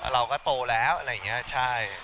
เราก็โตแล้วอะไรอย่างนี้ใช่